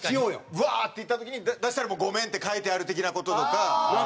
ブワーッって言った時に出したら「ごめん」って書いてある的な事とか。